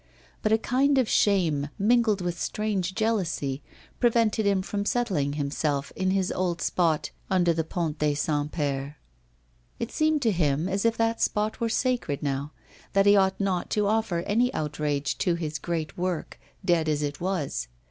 But a kind of shame, mingled with strange jealousy, prevented him from settling himself in his old spot under the Pont des Saints Pères. It seemed to him as if that spot were sacred now; that he ought not to offer any outrage to his great work, dead as it was.